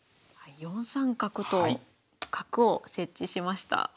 ４三角と角を設置しました。